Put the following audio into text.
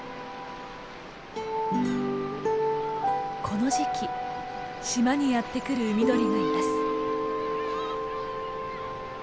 この時期島にやって来る海鳥がいます。